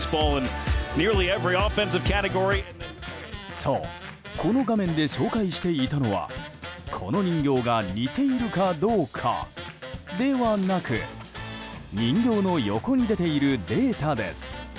そうこの画面で紹介していたのはこの人形が似ているかどうかではなく人形の横に出ているデータです。